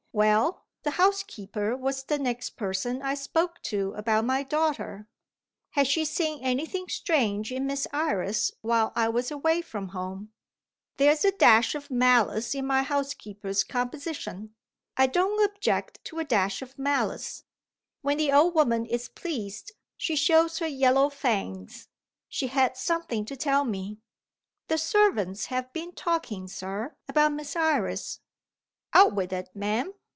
Well, the housekeeper was the next person I spoke to about my daughter. Had she seen anything strange in Miss Iris, while I was away from home? There's a dash of malice in my housekeeper's composition; I don't object to a dash of malice. When the old woman is pleased, she shows her yellow fangs. She had something to tell me: 'The servants have been talking, sir, about Miss Iris.' 'Out with it, ma'am!